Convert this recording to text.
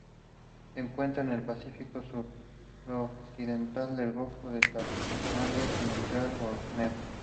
Se encuentra en el Pacífico suroccidental: el Golfo de Tailandia, Sumatra y Borneo.